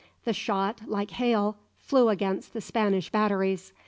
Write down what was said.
The shot, like hail, flew against the Spanish batteries.